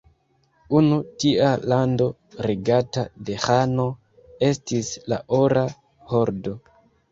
Unu tia lando regata de ĥano estis la Ora Hordo.